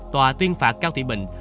tòa tuyên phạt cao thủy bình